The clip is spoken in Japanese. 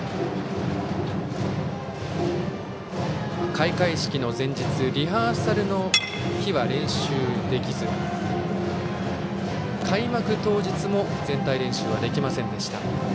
開会式の前日、リハーサルの日は練習できず、開幕当日も全体練習はできませんでした。